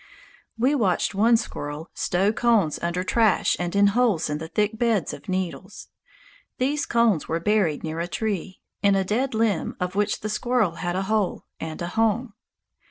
We watched one squirrel stow cones under trash and in holes in the thick beds of needles. These cones were buried near a tree, in a dead limb of which the squirrel had a hole and a home.